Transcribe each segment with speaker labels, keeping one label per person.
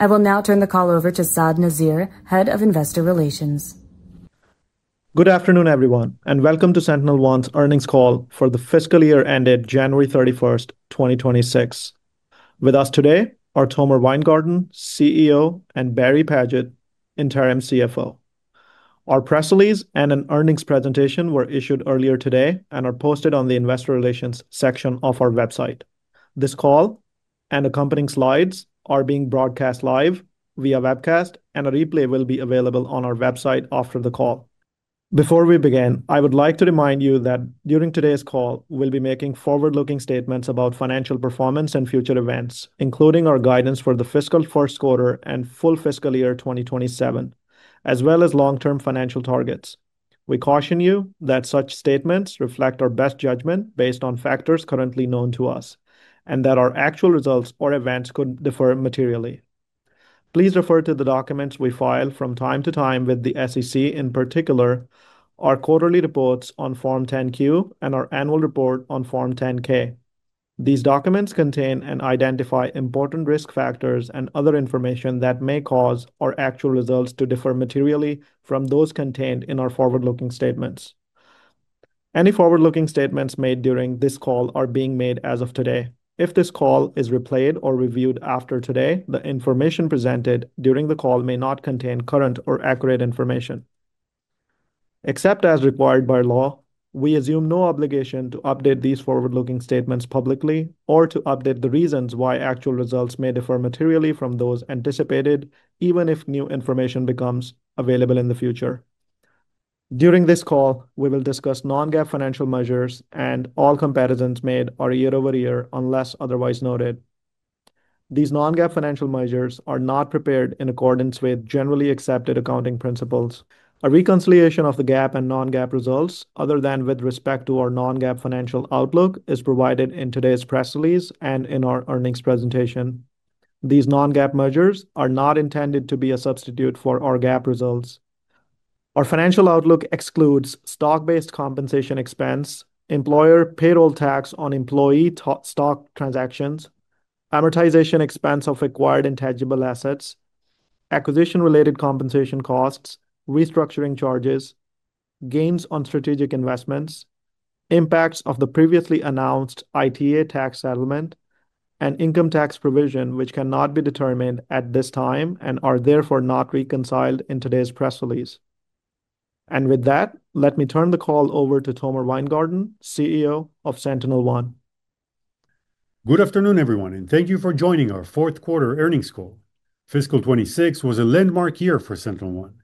Speaker 1: I will now turn the call over to Saad Nazir, Head of Investor Relations.
Speaker 2: Good afternoon, everyone, and welcome to SentinelOne's earnings call for the fiscal year ended January 31st, 2026. With us today are Tomer Weingarten, CEO; and Barry Padgett, Interim CFO. Our press release and an earnings presentation were issued earlier today and are posted on the investor relations section of our website. This call and accompanying slides are being broadcast live via webcast, and a replay will be available on our website after the call. Before we begin, I would like to remind you that during today's call, we'll be making forward-looking statements about financial performance and future events, including our guidance for the fiscal first quarter and full fiscal year 2027, as well as long-term financial targets. We caution you that such statements reflect our best judgment based on factors currently known to us, and that our actual results or events could differ materially. Please refer to the documents we file from time to time with the SEC, in particular, our quarterly reports on Form 10-Q and our annual report on Form 10-K. These documents contain and identify important risk factors and other information that may cause our actual results to differ materially from those contained in our forward-looking statements. Any forward-looking statements made during this call are being made as of today. If this call is replayed or reviewed after today, the information presented during the call may not contain current or accurate information. Except as required by law, we assume no obligation to update these forward-looking statements publicly or to update the reasons why actual results may differ materially from those anticipated even if new information becomes available in the future. During this call, we will discuss non-GAAP financial measures, and all comparisons made are year over year unless otherwise noted. These non-GAAP financial measures are not prepared in accordance with generally accepted accounting principles. A reconciliation of the GAAP and non-GAAP results, other than with respect to our non-GAAP financial outlook, is provided in today's press release and in our earnings presentation. These non-GAAP measures are not intended to be a substitute for our GAAP results. Our financial outlook excludes stock-based compensation expense, employer payroll tax on employee to- stock transactions, amortization expense of acquired intangible assets, acquisition-related compensation costs, restructuring charges, gains on strategic investments, impacts of the previously announced ITA tax settlement, and income tax provision, which cannot be determined at this time and are therefore not reconciled in today's press release. With that, let me turn the call over to Tomer Weingarten, CEO of SentinelOne.
Speaker 3: Good afternoon, everyone, and thank you for joining our fourth quarter earnings call. Fiscal 2026 was a landmark year for SentinelOne.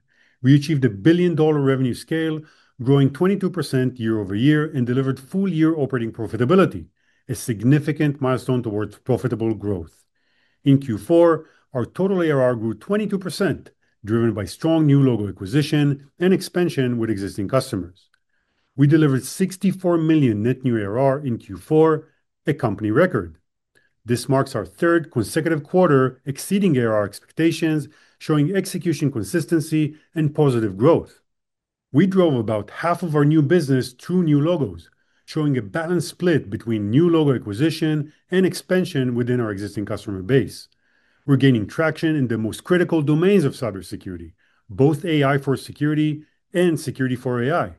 Speaker 3: We achieved a billion-dollar revenue scale, growing 22% year-over-year, and delivered full-year operating profitability, a significant milestone towards profitable growth. In Q4, our total ARR grew 22%, driven by strong new logo acquisition and expansion with existing customers. We delivered 64 million net new ARR in Q4, a company record. This marks our third consecutive quarter exceeding ARR expectations, showing execution consistency and positive growth. We drove about half of our new business through new logos, showing a balanced split between new logo acquisition and expansion within our existing customer base. We're gaining traction in the most critical domains of cybersecurity, both AI for security and security for AI.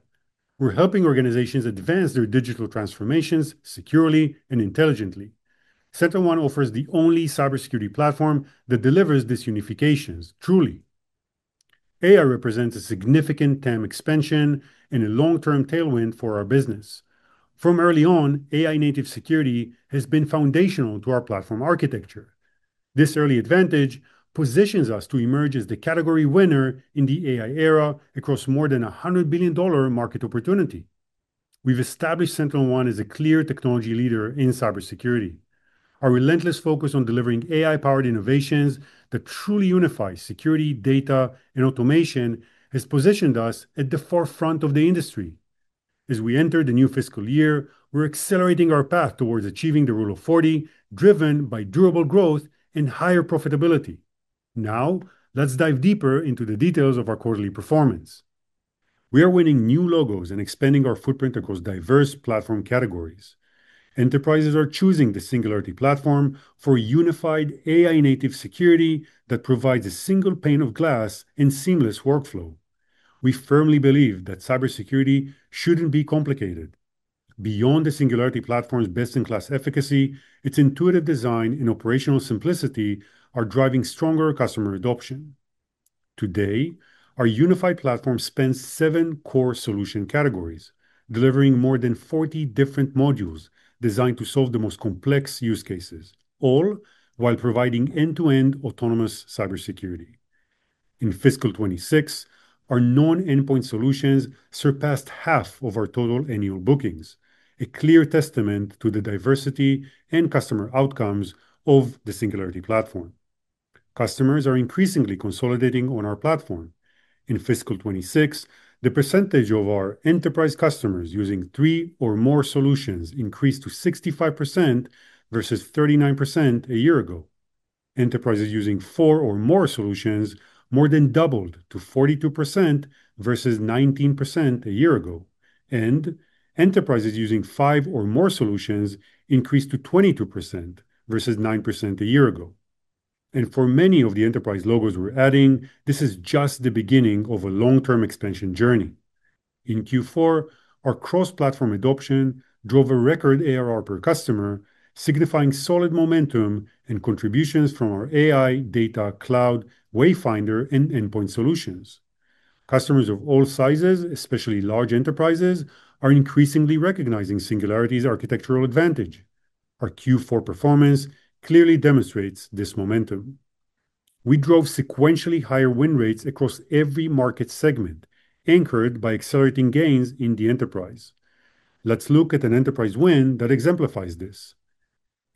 Speaker 3: We're helping organizations advance their digital transformations securely and intelligently. SentinelOne offers the only cybersecurity platform that delivers this unification truly. AI represents a significant TAM expansion and a long-term tailwind for our business. From early on, AI-native security has been foundational to our platform architecture. This early advantage positions us to emerge as the category winner in the AI era across more than a $100 billion market opportunity. We've established SentinelOne as a clear technology leader in cybersecurity. Our relentless focus on delivering AI-powered innovations that truly unify security, data, and automation has positioned us at the forefront of the industry. As we enter the new fiscal year, we're accelerating our path towards achieving the Rule of 40, driven by durable growth and higher profitability. Now, let's dive deeper into the details of our quarterly performance. We are winning new logos and expanding our footprint across diverse platform categories. Enterprises are choosing the Singularity Platform for unified AI-native security that provides a single pane of glass and seamless workflow. We firmly believe that cybersecurity shouldn't be complicated. Beyond the Singularity Platform's best-in-class efficacy, its intuitive design and operational simplicity are driving stronger customer adoption. Today, our unified platform spans seven core solution categories, delivering more than 40 different modules designed to solve the most complex use cases, all while providing end-to-end autonomous cybersecurity. In fiscal 2026, our non-endpoint solutions surpassed half of our total annual bookings, a clear testament to the diversity and customer outcomes of the Singularity Platform. Customers are increasingly consolidating on our platform. In fiscal 2026, the percentage of our enterprise customers using three or more solutions increased to 65% versus 39% a year ago. Enterprises using four or more solutions more than doubled to 42% versus 19% a year ago. Enterprises using five or more solutions increased to 22% versus 9% a year ago. For many of the enterprise logos we're adding, this is just the beginning of a long-term expansion journey. In Q4, our cross-platform adoption drove a record ARR per customer, signifying solid momentum and contributions from our AI, data, cloud, Wayfinder, and endpoint solutions. Customers of all sizes, especially large enterprises, are increasingly recognizing Singularity's architectural advantage. Our Q4 performance clearly demonstrates this momentum. We drove sequentially higher win rates across every market segment, anchored by accelerating gains in the enterprise. Let's look at an enterprise win that exemplifies this.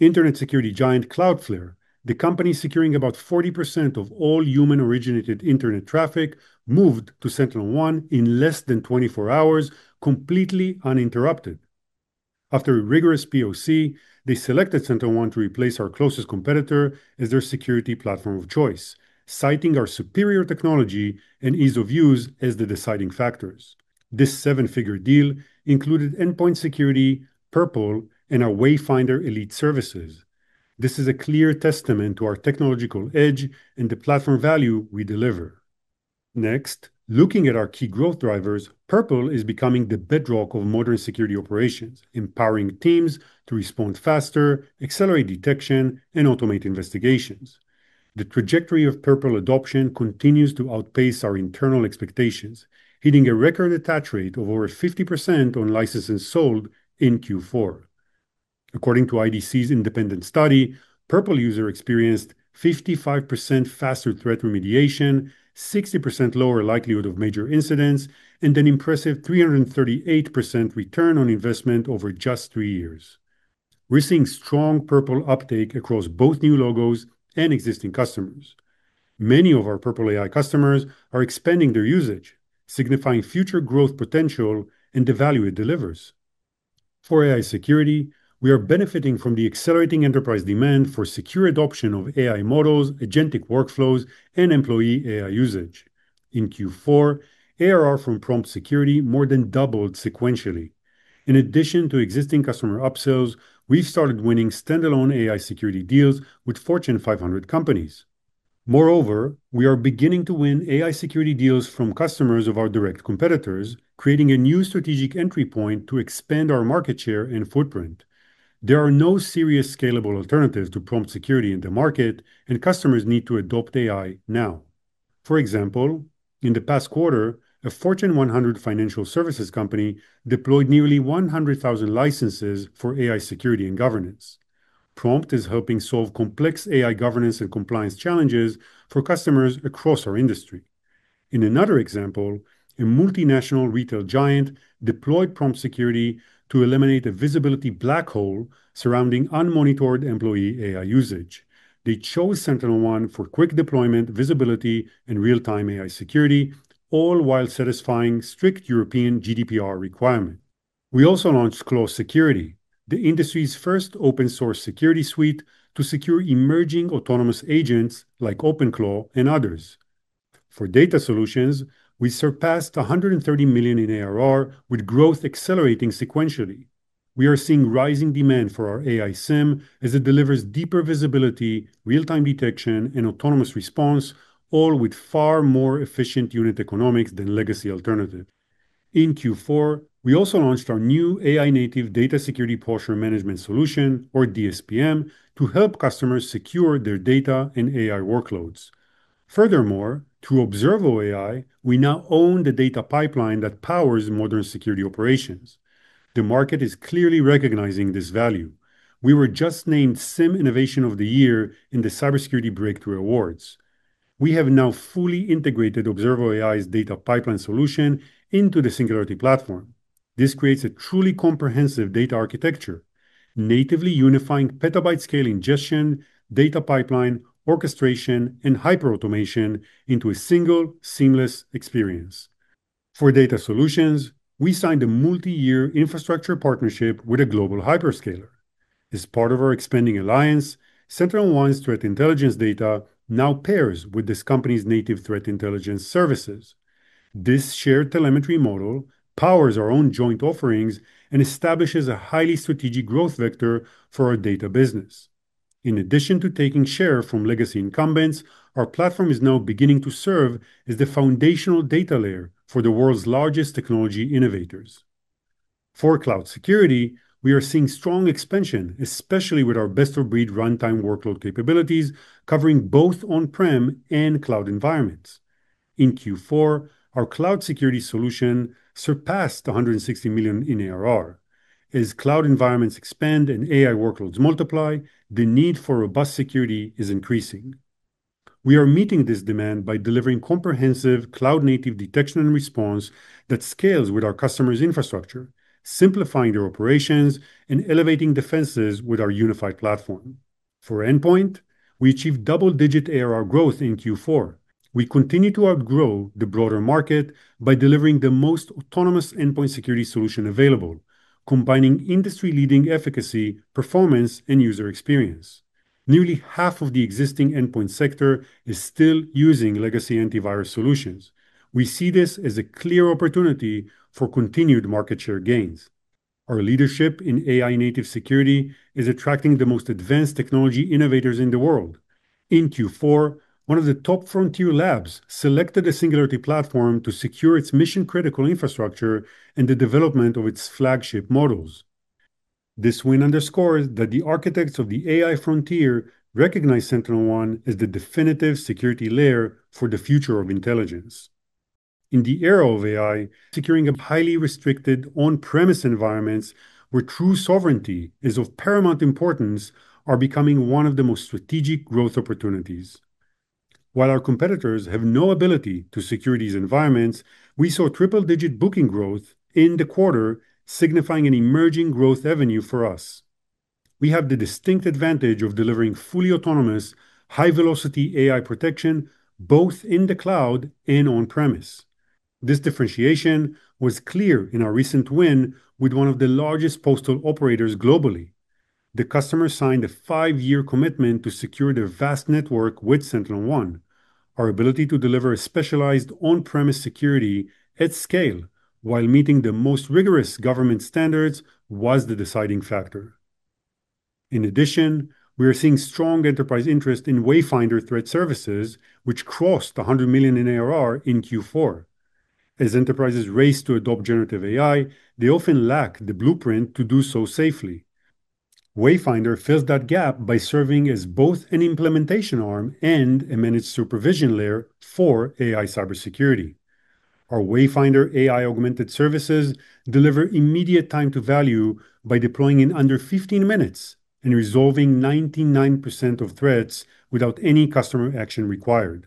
Speaker 3: Internet security giant Cloudflare, the company securing about 40% of all human-originated internet traffic, moved to SentinelOne in less than 24 hours, completely uninterrupted. After a rigorous POC, they selected SentinelOne to replace our closest competitor as their security platform of choice, citing our superior technology and ease of use as the deciding factors. This seven-figure deal included endpoint security, Purple, and our Wayfinder Elite services. This is a clear testament to our technological edge and the platform value we deliver. Next, looking at our key growth drivers, Purple is becoming the bedrock of modern security operations, empowering teams to respond faster, accelerate detection, and automate investigations. The trajectory of Purple adoption continues to outpace our internal expectations, hitting a record attach rate of over 50% on licenses sold in Q4. According to IDC's independent study, Purple users experienced 55% faster threat remediation, 60% lower likelihood of major incidents, and an impressive 338% return on investment over just three years. We're seeing strong Purple uptake across both new logos and existing customers. Many of our Purple AI customers are expanding their usage, signifying future growth potential and the value it delivers. For AI security, we are benefiting from the accelerating enterprise demand for secure adoption of AI models, agentic workflows, and employee AI usage. In Q4, ARR from Prompt Security more than doubled sequentially. In addition to existing customer upsells, we've started winning standalone AI security deals with Fortune 500 companies. Moreover, we are beginning to win AI security deals from customers of our direct competitors, creating a new strategic entry point to expand our market share and footprint. There are no serious scalable alternatives to Prompt Security in the market, and customers need to adopt AI now. For example, in the past quarter, a Fortune 100 financial services company deployed nearly 100,000 licenses for AI security and governance. Prompt Security is helping solve complex AI governance and compliance challenges for customers across our industry. In another example, a multinational retail giant deployed Prompt Security to eliminate a visibility black hole surrounding unmonitored employee AI usage. They chose SentinelOne for quick deployment, visibility, and real-time AI security, all while satisfying strict European GDPR requirement. We also launched Claw Security, the industry's first open-source security suite to secure emerging autonomous agents like OpenClaw and others. For data solutions, we surpassed $130 million in ARR with growth accelerating sequentially. We are seeing rising demand for our AI SIEM as it delivers deeper visibility, real-time detection, and autonomous response, all with far more efficient unit economics than legacy alternatives. In Q4, we also launched our new AI-native Data Security Posture Management solution, or DSPM, to help customers secure their data and AI workloads. Furthermore, through Observe.AI, we now own the data pipeline that powers modern security operations. The market is clearly recognizing this value. We were just named SIEM Innovation of the Year in the Cybersecurity Breakthrough Awards. We have now fully integrated Observe.AI's data pipeline solution into the Singularity Platform. This creates a truly comprehensive data architecture, natively unifying petabyte-scale ingestion, data pipeline, orchestration, and hyperautomation into a single seamless experience. For data solutions, we signed a multi-year infrastructure partnership with a global hyperscaler. As part of our expanding alliance, SentinelOne's threat intelligence data now pairs with this company's native threat intelligence services. This shared telemetry model powers our own joint offerings and establishes a highly strategic growth vector for our data business. In addition to taking share from legacy incumbents, our platform is now beginning to serve as the foundational data layer for the world's largest technology innovators. For cloud security, we are seeing strong expansion, especially with our best-of-breed runtime workload capabilities covering both on-prem and cloud environments. In Q4, our cloud security solution surpassed $160 million in ARR. As cloud environments expand and AI workloads multiply, the need for robust security is increasing. We are meeting this demand by delivering comprehensive cloud-native detection and response that scales with our customers' infrastructure, simplifying their operations and elevating defenses with our unified platform. For endpoint, we achieved double-digit ARR growth in Q4. We continue to outgrow the broader market by delivering the most autonomous endpoint security solution available, combining industry-leading efficacy, performance, and user experience. Nearly half of the existing endpoint sector is still using legacy antivirus solutions. We see this as a clear opportunity for continued market share gains. Our leadership in AI-native security is attracting the most advanced technology innovators in the world. In Q4, one of the top frontier labs selected a Singularity Platform to secure its mission-critical infrastructure and the development of its flagship models. This win underscores that the architects of the AI frontier recognize SentinelOne as the definitive security layer for the future of intelligence. In the era of AI, securing of highly restricted on-premise environments where true sovereignty is of paramount importance are becoming one of the most strategic growth opportunities. While our competitors have no ability to secure these environments, we saw triple-digit booking growth in the quarter, signifying an emerging growth avenue for us. We have the distinct advantage of delivering fully autonomous, high-velocity AI protection both in the cloud and on-premise. This differentiation was clear in our recent win with one of the largest postal operators globally. The customer signed a five-year commitment to secure their vast network with SentinelOne. Our ability to deliver a specialized on-premise security at scale while meeting the most rigorous government standards was the deciding factor. In addition, we are seeing strong enterprise interest in Wayfinder threat services, which crossed $100 million in ARR in Q4. As enterprises race to adopt generative AI, they often lack the blueprint to do so safely. Wayfinder fills that gap by serving as both an implementation arm and a managed supervision layer for AI cybersecurity. Our Wayfinder AI-augmented services deliver immediate time to value by deploying in under 15 minutes and resolving 99% of threats without any customer action required.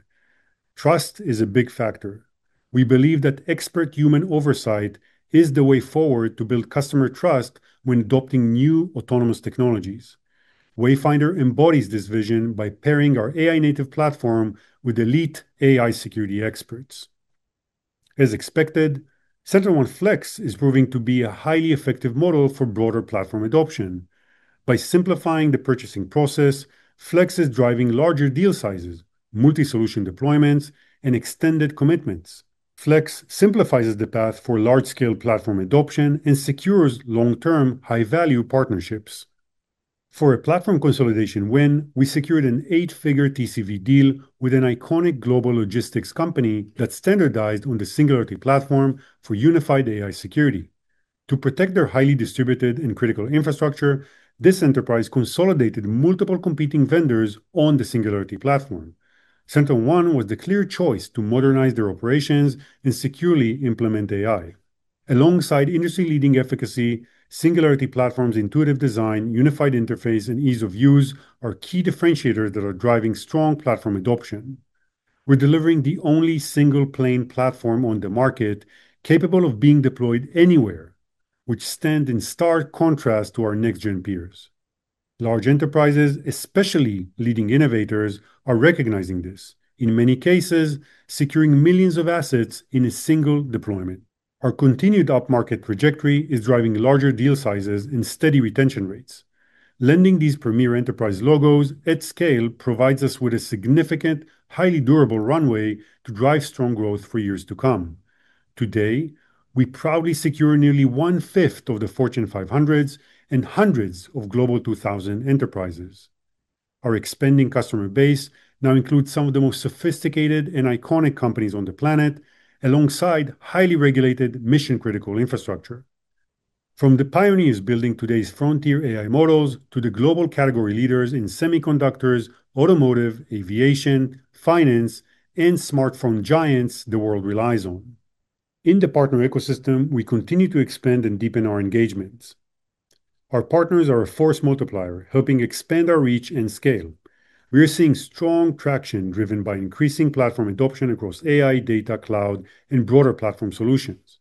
Speaker 3: Trust is a big factor. We believe that expert human oversight is the way forward to build customer trust when adopting new autonomous technologies. Wayfinder embodies this vision by pairing our AI-native platform with elite AI security experts. As expected, SentinelOne Flex is proving to be a highly effective model for broader platform adoption. By simplifying the purchasing process, Flex is driving larger deal sizes, multi-solution deployments, and extended commitments. Flex simplifies the path for large-scale platform adoption and secures long-term, high-value partnerships. For a platform consolidation win, we secured an eight-figure TCV deal with an iconic global logistics company that standardized on the Singularity Platform for unified AI security. To protect their highly distributed and critical infrastructure, this enterprise consolidated multiple competing vendors on the Singularity Platform. SentinelOne was the clear choice to modernize their operations and securely implement AI. Alongside industry-leading efficacy, Singularity Platform's intuitive design, unified interface, and ease of use are key differentiators that are driving strong platform adoption. We're delivering the only single-pane platform on the market capable of being deployed anywhere, which stand in stark contrast to our next-gen peers. Large enterprises, especially leading innovators, are recognizing this, in many cases, securing millions of assets in a single deployment. Our continued upmarket trajectory is driving larger deal sizes and steady retention rates. Landing these premier enterprise logos at scale provides us with a significant, highly durable runway to drive strong growth for years to come. Today, we proudly secure nearly 1/5 of the Fortune and hundreds of Global 2000 enterprises. Our expanding customer base now includes some of the most sophisticated and iconic companies on the planet, alongside highly regulated mission-critical infrastructure. From the pioneers building today's frontier AI models to the global category leaders in semiconductors, automotive, aviation, finance, and smartphone giants the world relies on. In the partner ecosystem, we continue to expand and deepen our engagements. Our partners are a force multiplier, helping expand our reach and scale. We are seeing strong traction driven by increasing platform adoption across AI, data, cloud, and broader platform solutions.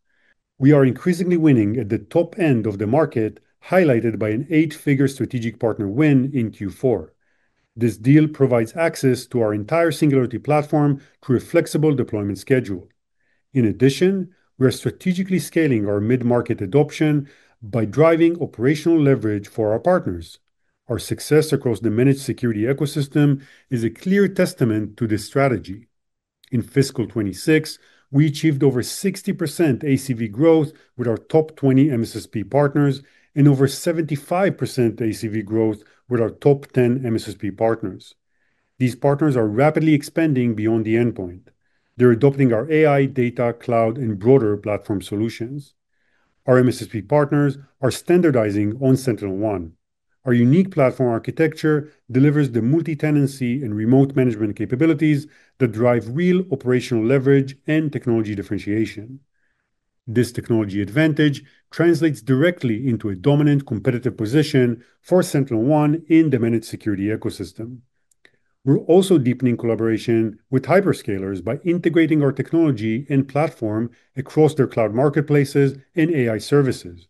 Speaker 3: We are increasingly winning at the top end of the market, highlighted by an eight-figure strategic partner win in Q4. This deal provides access to our entire Singularity Platform through a flexible deployment schedule. In addition, we are strategically scaling our mid-market adoption by driving operational leverage for our partners. Our success across the managed security ecosystem is a clear testament to this strategy. In fiscal 2026, we achieved over 60% ACV growth with our top 20 MSSP partners and over 75% ACV growth with our top 10 MSSP partners. These partners are rapidly expanding beyond the endpoint. They're adopting our AI, data, cloud, and broader platform solutions. Our MSSP partners are standardizing on SentinelOne. Our unique platform architecture delivers the multi-tenancy and remote management capabilities that drive real operational leverage and technology differentiation. This technology advantage translates directly into a dominant competitive position for SentinelOne in the managed security ecosystem. We're also deepening collaboration with hyperscalers by integrating our technology and platform across their cloud marketplaces and AI services.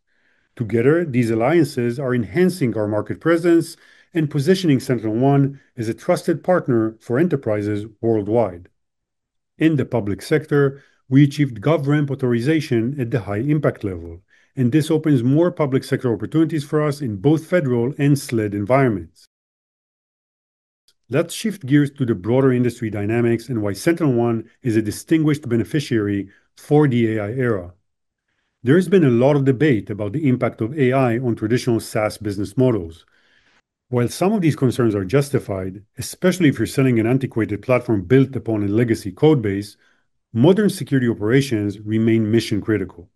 Speaker 3: Together, these alliances are enhancing our market presence and positioning SentinelOne as a trusted partner for enterprises worldwide. In the public sector, we achieved FedRAMP authorization at the high impact level, and this opens more public sector opportunities for us in both federal and SLED environments. Let's shift gears to the broader industry dynamics and why SentinelOne is a distinguished beneficiary for the AI era. There has been a lot of debate about the impact of AI on traditional SaaS business models. While some of these concerns are justified, especially if you're selling an antiquated platform built upon a legacy code base, modern security operations remain mission-critical.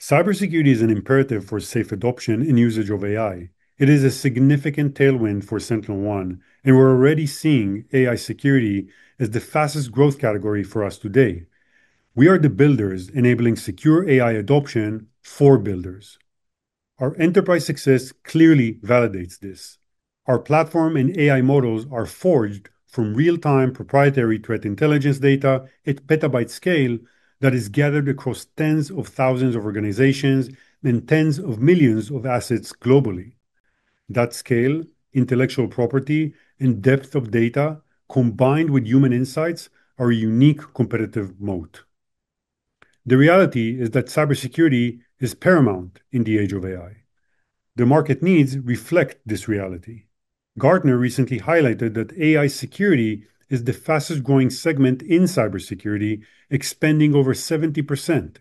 Speaker 3: Cybersecurity is an imperative for safe adoption and usage of AI. It is a significant tailwind for SentinelOne, and we're already seeing AI security as the fastest growth category for us today. We are the builders enabling secure AI adoption for builders. Our enterprise success clearly validates this. Our platform and AI models are forged from real-time proprietary threat intelligence data at petabyte scale that is gathered across tens of thousands of organizations and tens of millions of assets globally. That scale, intellectual property, and depth of data, combined with human insights, are a unique competitive moat. The reality is that cybersecurity is paramount in the age of AI. The market needs reflect this reality. Gartner recently highlighted that AI security is the fastest-growing segment in cybersecurity, expanding over 70%.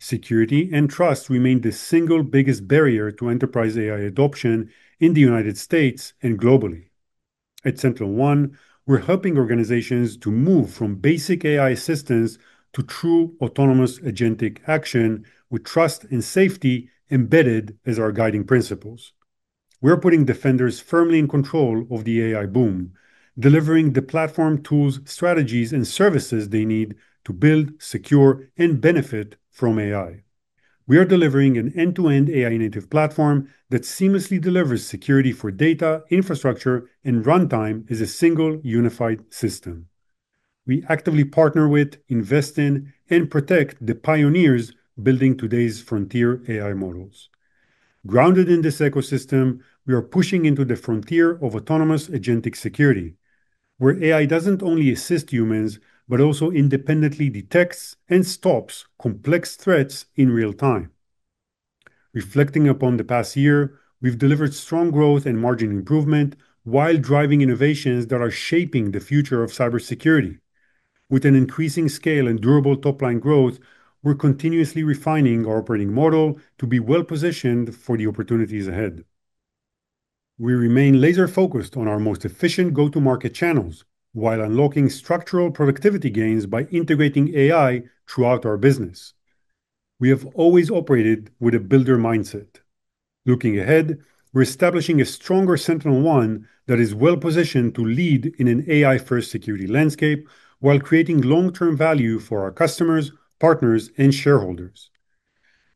Speaker 3: Security and trust remain the single biggest barrier to enterprise AI adoption in the United States and globally. At SentinelOne, we're helping organizations to move from basic AI assistance to true autonomous agentic action with trust and safety embedded as our guiding principles. We're putting defenders firmly in control of the AI boom, delivering the platform tools, strategies, and services they need to build, secure, and benefit from AI. We are delivering an end-to-end AI native platform that seamlessly delivers security for data, infrastructure, and runtime as a single unified system. We actively partner with, invest in, and protect the pioneers building today's frontier AI models. Grounded in this ecosystem, we are pushing into the frontier of autonomous agentic security, where AI doesn't only assist humans, but also independently detects and stops complex threats in real-time. Reflecting upon the past year, we've delivered strong growth and margin improvement while driving innovations that are shaping the future of cybersecurity. With an increasing scale and durable top-line growth, we're continuously refining our operating model to be well-positioned for the opportunities ahead. We remain laser-focused on our most efficient go-to-market channels while unlocking structural productivity gains by integrating AI throughout our business. We have always operated with a builder mindset. Looking ahead, we're establishing a stronger SentinelOne that is well-positioned to lead in an AI-first security landscape while creating long-term value for our customers, partners, and shareholders.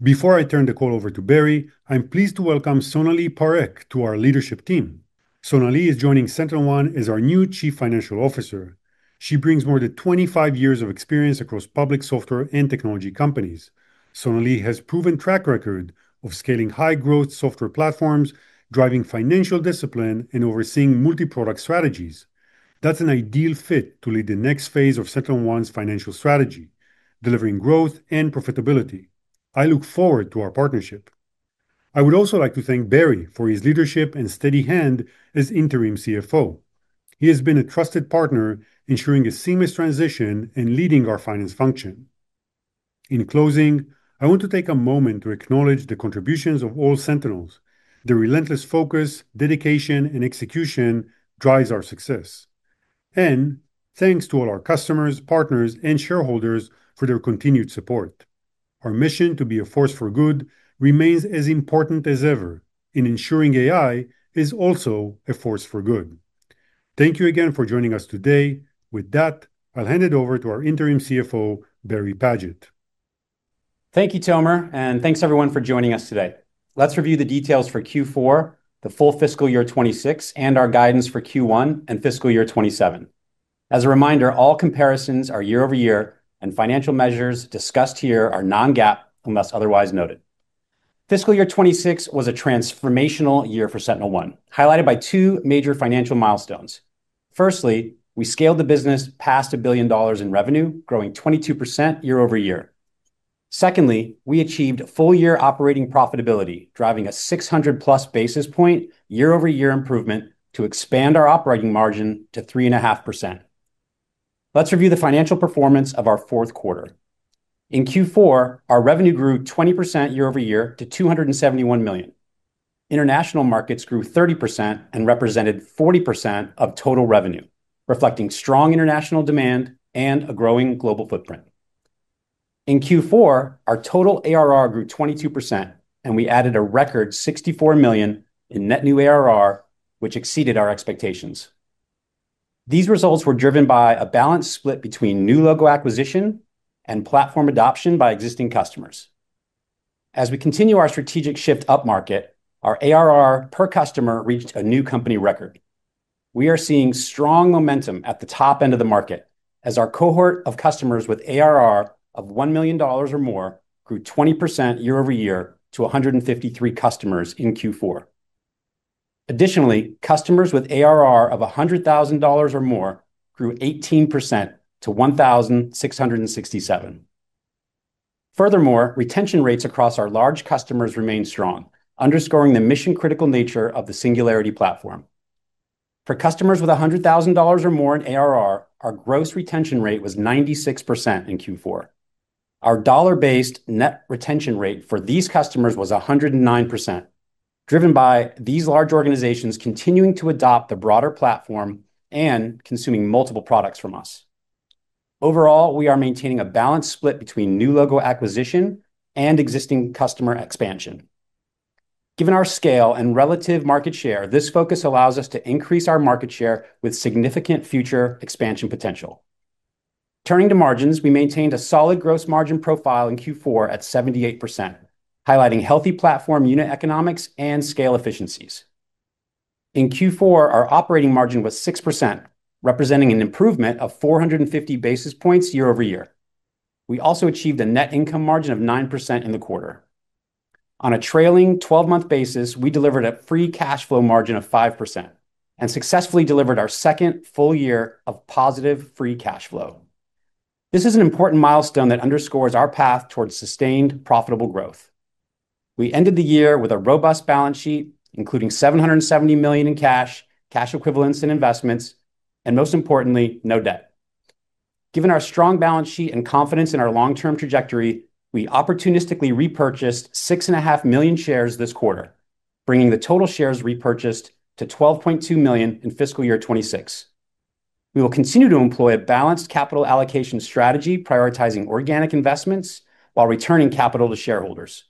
Speaker 3: Before I turn the call over to Barry, I'm pleased to welcome Sonali Parekh to our leadership team. Sonali is joining SentinelOne as our new chief financial officer. She brings more than 25 years of experience across public software and technology companies. Sonali has proven track record of scaling high-growth software platforms, driving financial discipline, and overseeing multi-product strategies. That's an ideal fit to lead the next phase of SentinelOne's financial strategy, delivering growth and profitability. I look forward to our partnership. I would also like to thank Barry for his leadership and steady hand as interim CFO. He has been a trusted partner, ensuring a seamless transition and leading our finance function. In closing, I want to take a moment to acknowledge the contributions of all Sentinels. Their relentless focus, dedication, and execution drives our success. Thanks to all our customers, partners, and shareholders for their continued support. Our mission to be a force for good remains as important as ever in ensuring AI is also a force for good. Thank you again for joining us today. With that, I'll hand it over to our interim CFO, Barry Padgett.
Speaker 4: Thank you, Tomer, and thanks everyone for joining us today. Let's review the details for Q4, the full fiscal year 2026, and our guidance for Q1 and fiscal year 2027. As a reminder, all comparisons are year-over-year, and financial measures discussed here are non-GAAP unless otherwise noted. Fiscal year 2026 was a transformational year for SentinelOne, highlighted by two major financial milestones. Firstly, we scaled the business past $1 billion in revenue, growing 22% year-over-year. Secondly, we achieved full year operating profitability, driving a 600+ basis point year-over-year improvement to expand our operating margin to 3.5%. Let's review the financial performance of our fourth quarter. In Q4, our revenue grew 20% year-over-year to $271 million. International markets grew 30% and represented 40% of total revenue, reflecting strong international demand and a growing global footprint. In Q4, our total ARR grew 22%, and we added a record $64 million in net new ARR, which exceeded our expectations. These results were driven by a balanced split between new logo acquisition and platform adoption by existing customers. As we continue our strategic shift upmarket, our ARR per customer reached a new company record. We are seeing strong momentum at the top end of the market as our cohort of customers with ARR of $1 million or more grew 20% year-over-year to 153 customers in Q4. Additionally, customers with ARR of $100,000 or more grew 18% to 1,667. Furthermore, retention rates across our large customers remain strong, underscoring the mission-critical nature of the Singularity Platform. For customers with $100,000 or more in ARR, our gross retention rate was 96% in Q4. Our dollar-based net retention rate for these customers was 109%, driven by these large organizations continuing to adopt the broader platform and consuming multiple products from us. Overall, we are maintaining a balanced split between new logo acquisition and existing customer expansion. Given our scale and relative market share, this focus allows us to increase our market share with significant future expansion potential. Turning to margins, we maintained a solid gross margin profile in Q4 at 78%, highlighting healthy platform unit economics and scale efficiencies. In Q4, our operating margin was 6%, representing an improvement of 450 basis points year-over-year. We also achieved a net income margin of 9% in the quarter. On a trailing twelve-month basis, we delivered a free cash flow margin of 5% and successfully delivered our second full year of positive free cash flow. This is an important milestone that underscores our path towards sustained profitable growth. We ended the year with a robust balance sheet, including $770 million in cash equivalents, and investments, and most importantly, no debt. Given our strong balance sheet and confidence in our long-term trajectory, we opportunistically repurchased 6.5 million shares this quarter, bringing the total shares repurchased to 12.2 million in fiscal year 2026. We will continue to employ a balanced capital allocation strategy, prioritizing organic investments while returning capital to shareholders.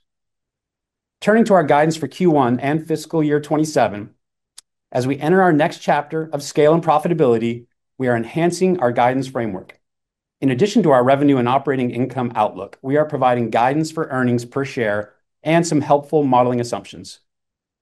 Speaker 4: Turning to our guidance for Q1 and fiscal year 2027, as we enter our next chapter of scale and profitability, we are enhancing our guidance framework. In addition to our revenue and operating income outlook, we are providing guidance for earnings per share and some helpful modeling assumptions.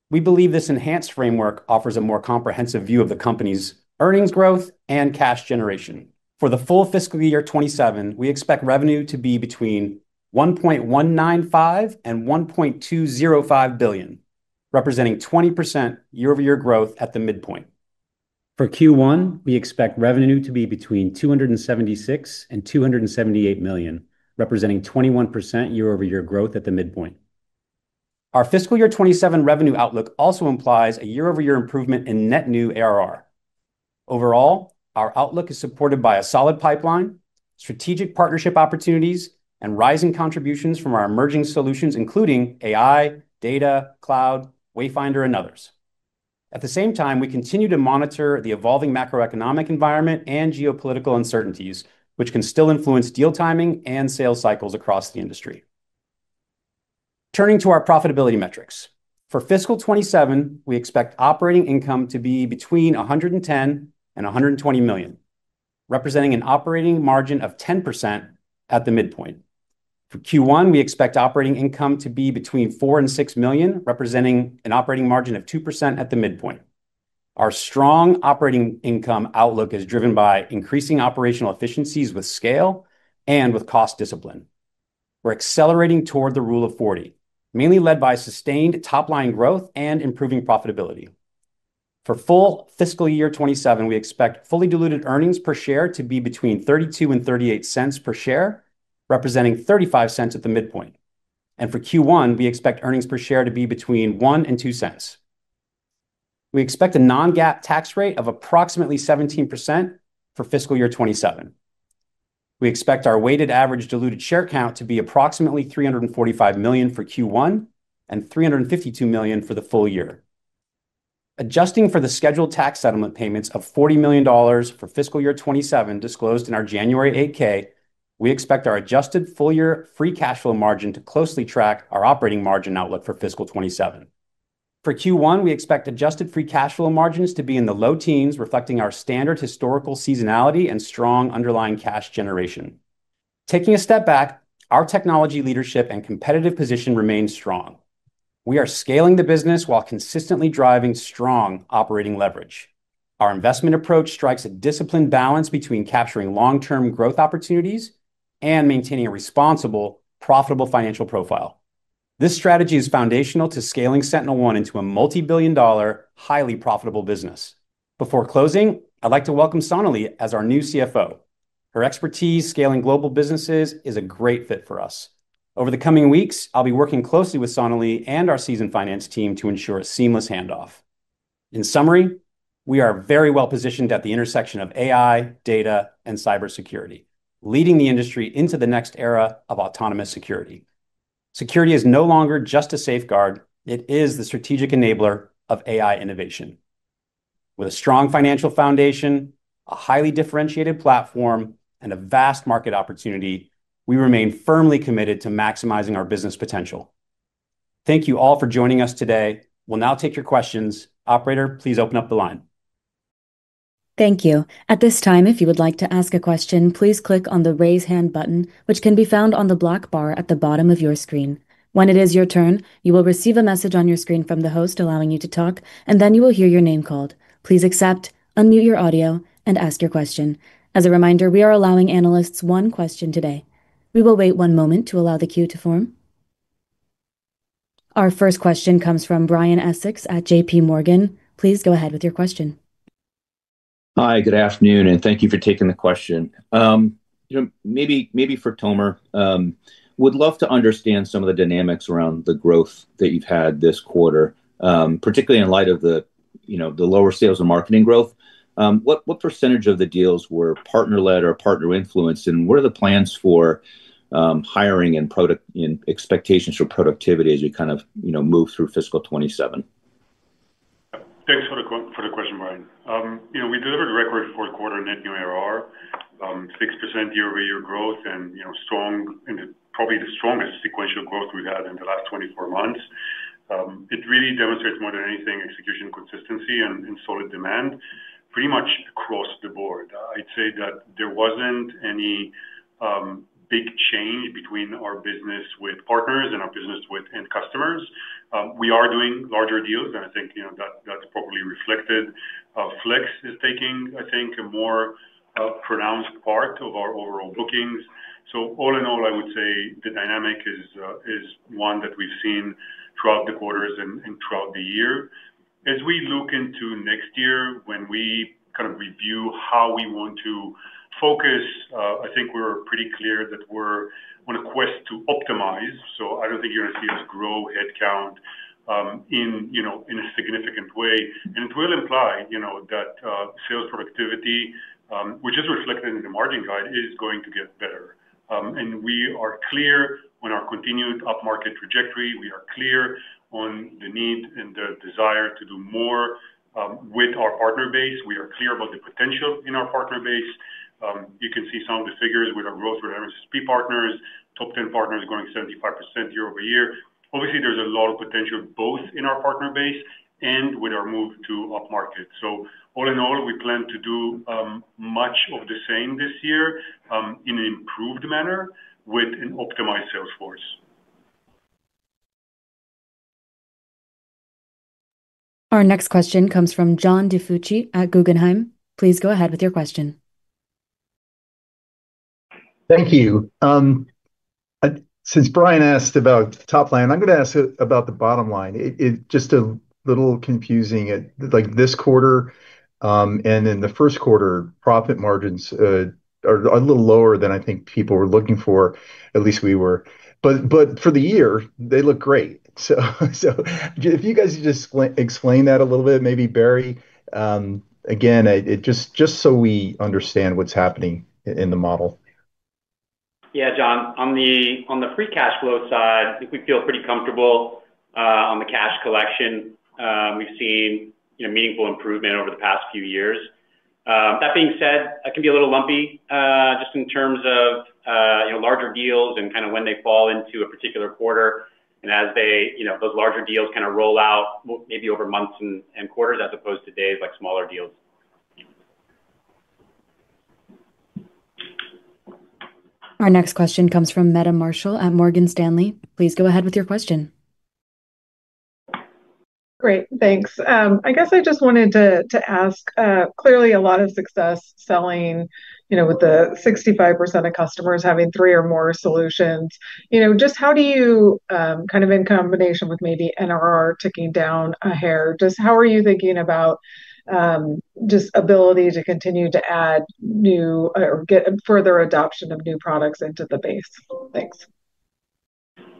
Speaker 4: We believe this enhanced framework offers a more comprehensive view of the company's earnings growth and cash generation. For the full fiscal year 2027, we expect revenue to be between $1.195 billion-$1.205 billion, representing 20% year-over-year growth at the midpoint. For Q1, we expect revenue to be between $276 million-$278 million, representing 21% year-over-year growth at the midpoint. Our fiscal year 2027 revenue outlook also implies a year-over-year improvement in net new ARR. Overall, our outlook is supported by a solid pipeline, strategic partnership opportunities, and rising contributions from our emerging solutions, including AI, data, cloud, Wayfinder, and others. At the same time, we continue to monitor the evolving macroeconomic environment and geopolitical uncertainties, which can still influence deal timing and sales cycles across the industry. Turning to our profitability metrics. For fiscal 2027, we expect operating income to be between $110 million and $120 million, representing an operating margin of 10% at the midpoint. For Q1, we expect operating income to be between $4 million and $6 million, representing an operating margin of 2% at the midpoint. Our strong operating income outlook is driven by increasing operational efficiencies with scale and with cost discipline. We're accelerating toward the Rule of 40, mainly led by sustained top-line growth and improving profitability. For full fiscal year 2027, we expect fully diluted earnings per share to be between $0.32 and $0.38 per share, representing $0.35 at the midpoint. For Q1, we expect earnings per share to be between $0.01 and $0.02. We expect a non-GAAP tax rate of approximately 17% for fiscal year 2027. We expect our weighted average diluted share count to be approximately $345 million for Q1 and $352 million for the full year. Adjusting for the scheduled tax settlement payments of $40 million for fiscal year 2027 disclosed in our January 8-K, we expect our adjusted full-year free cash flow margin to closely track our operating margin outlook for fiscal 2027. For Q1, we expect adjusted free cash flow margins to be in the low teens, reflecting our standard historical seasonality and strong underlying cash generation. Taking a step back, our technology leadership and competitive position remains strong. We are scaling the business while consistently driving strong operating leverage. Our investment approach strikes a disciplined balance between capturing long-term growth opportunities and maintaining a responsible, profitable financial profile. This strategy is foundational to scaling SentinelOne into a multi-billion dollar, highly profitable business. Before closing, I'd like to welcome Sonali as our new CFO. Her expertise scaling global businesses is a great fit for us. Over the coming weeks, I'll be working closely with Sonali and our seasoned finance team to ensure a seamless handoff. In summary, we are very well-positioned at the intersection of AI, data, and cybersecurity, leading the industry into the next era of autonomous security. Security is no longer just a safeguard, it is the strategic enabler of AI innovation. With a strong financial foundation, a highly differentiated platform, and a vast market opportunity, we remain firmly committed to maximizing our business potential. Thank you all for joining us today. We'll now take your questions. Operator, please open up the line.
Speaker 1: Thank you. At this time, if you would like to ask a question, please click on the Raise Hand button, which can be found on the black bar at the bottom of your screen. When it is your turn, you will receive a message on your screen from the host allowing you to talk, and then you will hear your name called. Please accept, unmute your audio, and ask your question. As a reminder, we are allowing analysts one question today. We will wait one moment to allow the queue to form. Our first question comes from Brian Essex at J.P. Morgan. Please go ahead with your question.
Speaker 5: Hi, good afternoon, and thank you for taking the question. You know, maybe for Tomer. Would love to understand some of the dynamics around the growth that you've had this quarter, particularly in light of the, you know, the lower sales and marketing growth. What percentage of the deals were partner-led or partner-influenced? And what are the plans for hiring and product and expectations for productivity as you kind of, you know, move through fiscal 2027?
Speaker 3: Thanks for the question, Brian. You know, we delivered a record fourth quarter net new ARR, 6% year-over-year growth and, you know, strong and probably the strongest sequential growth we've had in the last 24 months. It really demonstrates more than anything execution consistency and solid demand pretty much across the board. I'd say that there wasn't any big change between our business with partners and our business with end customers. We are doing larger deals, and I think, you know, that's probably reflected. Flex is taking, I think, a more pronounced part of our overall bookings. All in all, I would say the dynamic is one that we've seen throughout the quarters and throughout the year. As we look into next year, when we kind of review how we want to focus, I think we're pretty clear that we're on a quest to optimize. I don't think you're gonna see us grow headcount, in you know in a significant way. It will imply, you know, that sales productivity, which is reflected in the margin guide, is going to get better. We are clear on our continued up-market trajectory. We are clear on the need and the desire to do more, with our partner base. We are clear about the potential in our partner base. You can see some of the figures with our growth with MSP partners. Top 10 partners growing 75% year-over-year. Obviously, there's a lot of potential both in our partner base and with our move to upmarket. So all in all, we plan to do much of the same this year, in an improved manner with an optimized sales force.
Speaker 1: Our next question comes from John DiFucci at Guggenheim. Please go ahead with your question.
Speaker 6: Thank you. Since Brian asked about the top line, I'm gonna ask about the bottom line. It's just a little confusing, like this quarter and in the first quarter, profit margins are a little lower than I think people were looking for, at least we were. For the year, they look great. If you guys just explain that a little bit, maybe Barry. Again, just so we understand what's happening in the model.
Speaker 4: Yeah, John. On the free cash flow side, I think we feel pretty comfortable on the cash collection. We've seen, you know, meaningful improvement over the past few years. That being said, it can be a little lumpy just in terms of, you know, larger deals and kinda when they fall into a particular quarter. As they, you know, those larger deals kinda roll out maybe over months and quarters as opposed to days like smaller deals.
Speaker 1: Our next question comes from Meta Marshall at Morgan Stanley. Please go ahead with your question.
Speaker 7: Great. Thanks. I guess I just wanted to ask, clearly a lot of success selling, you know, with the 65% of customers having three or more solutions. You know, just how do you, kind of in combination with maybe NRR ticking down a hair, just how are you thinking about, just ability to continue to add new or get further adoption of new products into the base? Thanks.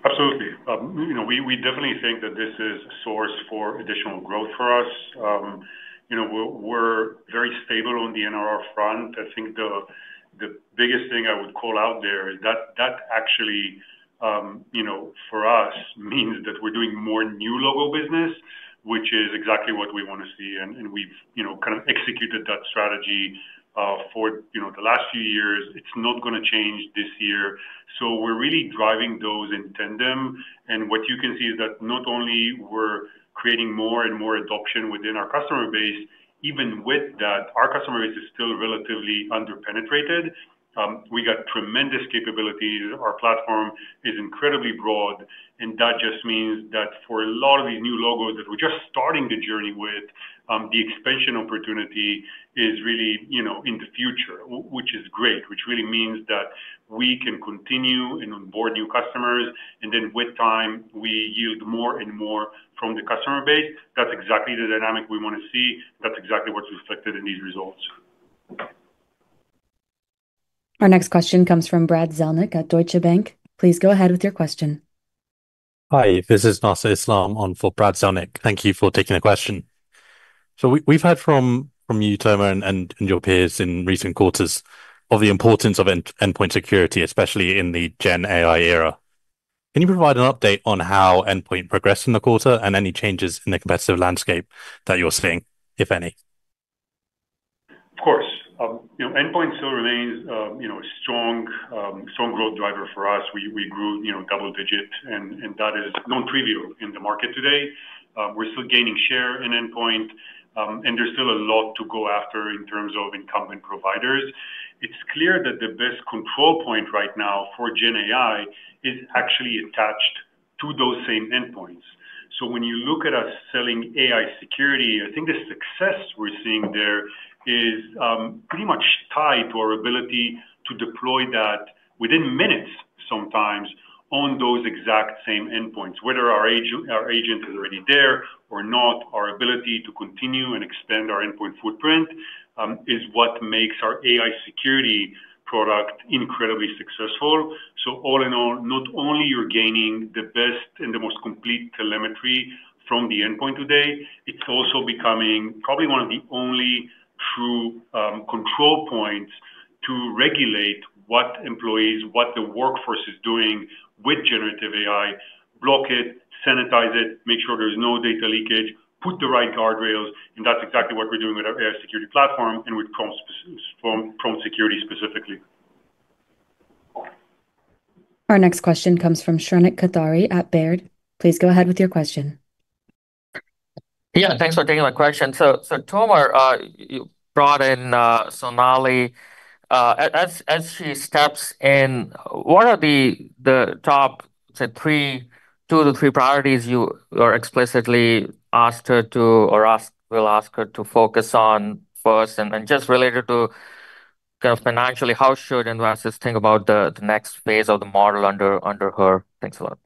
Speaker 3: Absolutely. You know, we definitely think that this is a source for additional growth for us. You know, we're very stable on the NRR front. I think the biggest thing I would call out there is that actually, you know, for us means that we're doing more new logo business, which is exactly what we wanna see. We've you know kind of executed that strategy for you know the last few years. It's not gonna change this year. We're really driving those in tandem. What you can see is that not only we're creating more and more adoption within our customer base, even with that, our customer base is still relatively under-penetrated. We got tremendous capabilities. Our platform is incredibly broad, and that just means that for a lot of these new logos that we're just starting the journey with, the expansion opportunity is really, you know, in the future, which is great. Which really means that we can continue and onboard new customers, and then with time, we yield more and more from the customer base. That's exactly the dynamic we wanna see. That's exactly what's reflected in these results.
Speaker 1: Our next question comes from Brad Zelnick at Deutsche Bank. Please go ahead with your question.
Speaker 8: Hi, this is Nasr Islam on for Brad Zelnick. Thank you for taking the question. We've heard from you, Tomer, and your peers in recent quarters of the importance of endpoint security, especially in the GenAI era. Can you provide an update on how endpoint progressed in the quarter and any changes in the competitive landscape that you're seeing, if any?
Speaker 3: Of course. You know, endpoint still remains a strong growth driver for us. We grew double-digit, and that is non-trivial in the market today. We're still gaining share in endpoint, and there's still a lot to go after in terms of incumbent providers. It's clear that the best control point right now for GenAI is actually attached to those same endpoints. So when you look at us selling AI security, I think the success we're seeing there is pretty much tied to our ability to deploy that within minutes sometimes on those exact same endpoints. Whether our agent is already there or not, our ability to continue and extend our endpoint footprint is what makes our AI security product incredibly successful. So all in all, not only you're gaining the best and the most complete telemetry from the endpoint today, it's also becoming probably one of the only true control points to regulate what employees, what the workforce is doing with generative AI, block it, sanitize it, make sure there's no data leakage, put the right guardrails, and that's exactly what we're doing with our AI security platform and with Prompt Security specifically.
Speaker 1: Our next question comes from Shrenik Kothari at Baird. Please go ahead with your question.
Speaker 9: Yeah, thanks for taking my question. Tomer, you brought in Sonali. As she steps in, what are the top two-three priorities you will ask her to focus on first? Just related to kind of financially, how should investors think about the next phase of the model under her? Thanks a lot.